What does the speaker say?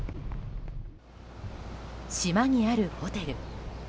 島にあるホテル。